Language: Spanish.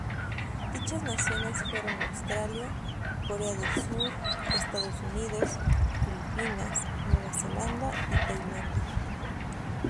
Dichas naciones fueron Australia, Corea del Sur, Estados Unidos, Filipinas, Nueva Zelanda y Tailandia.